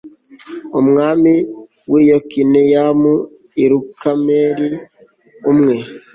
umwami w'i yokineyamu, i karumeli, umwe